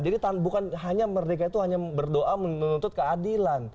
jadi bukan hanya merdeka itu hanya berdoa menuntut keadilan